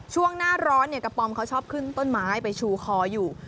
ช่วงหน้าร้อนกระป๋อมเขาชอบขึ้นต้นไม้ไปชูคออยู่